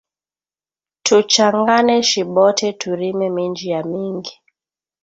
Tu changane shi bote, tu rime minji ya mingi